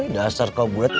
dasar kau buat